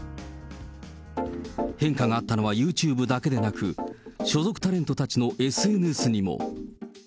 変化があったのはユーチューブだけでなく、所属タレントたちのＳＮＳにも。